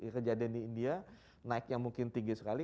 kejadian di india naiknya mungkin tinggi sekali